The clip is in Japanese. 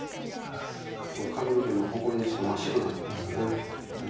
髪の毛もほこりで真っ白になっていますね。